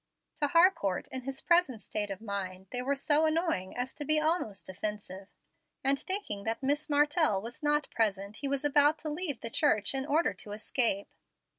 To Harcourt, in his present state of mind, they were so annoying as to be almost offensive, and, thinking that Miss Martell was not present, he was about to leave the church in order to escape.